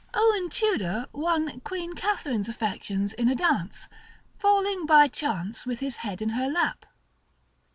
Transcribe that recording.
Owen Tudor won Queen Catherine's affection in. a dance, falling by chance with his head in her lap.